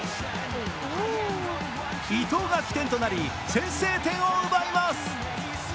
伊東が起点となり、先制点を奪います。